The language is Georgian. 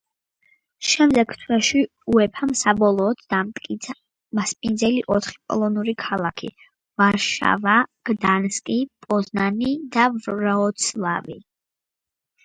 შემდეგ თვეში უეფა-მ საბოლოოდ დაამტკიცა მასპინძელი ოთხი პოლონური ქალაქი: ვარშავა, გდანსკი, პოზნანი და ვროცლავი.